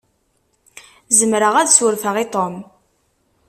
Zemreɣ ad surfeɣ i Tom.